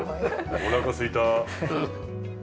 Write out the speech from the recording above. おなかすいた。